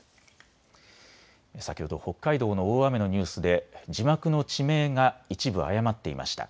先ほど北海道の大雨のニュースで字幕の地名が一部誤っていました。